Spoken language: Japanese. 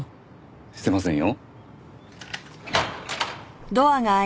してませんよ。